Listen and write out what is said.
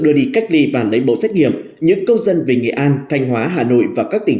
đưa đi cách ly và lấy mẫu xét nghiệm những công dân về nghệ an thanh hóa hà nội và các tỉnh